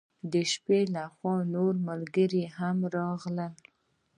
د شپې له خوا نور ملګري هم راغلل.